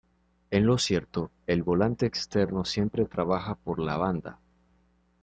En lo cierto, el volante externo siempre trabaja por la banda.